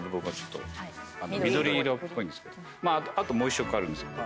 あともう１色あるんですけど。